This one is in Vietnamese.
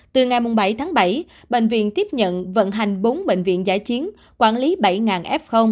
từ ngày bảy tháng bảy bệnh viện tiếp nhận vận hành bốn bệnh viện giải chiến quản lý bảy f